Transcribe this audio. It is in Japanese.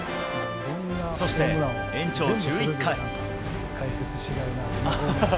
そして延長１１回。